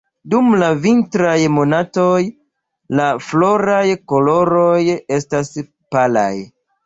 Dum la vintraj monatoj, la floraj koloroj estas palaj.